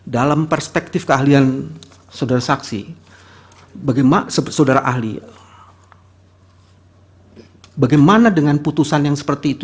dalam perspektif keahlian saudara saksi bagaimana dengan putusan yang seperti itu